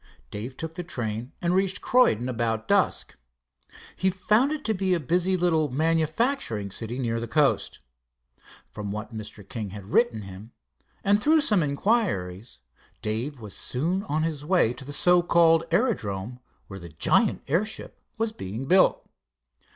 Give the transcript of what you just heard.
Dave took the train, and reached Croydon about dusk. He found it to be a busy little manufacturing city near the coast. From what Mr. King had written him, and through some inquiries, Dave was soon on his way to the so called aerodrome, where the giant airship was being built.